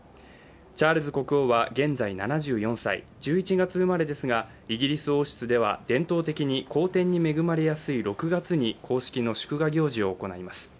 チャールズ国王は現在７４歳１１月生まれですがイギリス王室では伝統的に好天に恵まれやすい６月に公式の祝賀行事を行います。